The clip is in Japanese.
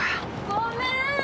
ごめーん。